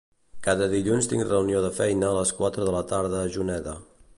Cada dilluns tinc reunió de feina a les quatre de la tarda a Juneda.